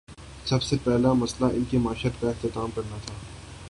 سب سے پہلا مسئلہ ان کی معیشت کا اہتمام کرنا تھا۔